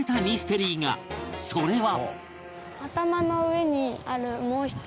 それは